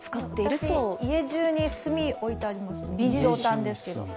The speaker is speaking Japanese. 私、家じゅうに炭、置いてあります、備長炭ですけど。